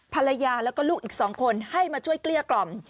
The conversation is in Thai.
ภรรยาแล้วก็ลูกอีก๒คนให้มาช่วยเกลี้ยกล่อม